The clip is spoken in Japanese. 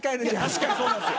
確かにそうなんですよ。